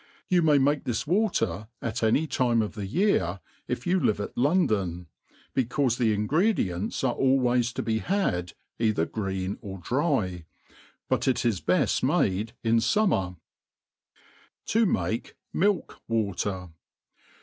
You may make this water at any time of the year, if you live at London, becaufe the ingredients are always to be had cither green or dry ; but it is the bed made in fummer. To mah MiU Water.